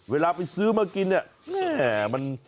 เวลาไปซื้อมากิน